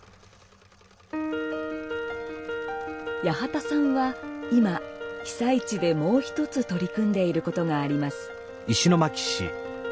八幡さんは今被災地でもう一つ取り組んでいる事があります。